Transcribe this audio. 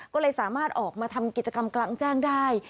ก็เลยสามารถออกมาทำกิจกรรมกลางแจ้งได้